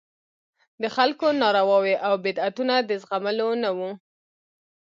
د خلکو نارواوې او بدعتونه د زغملو نه وو.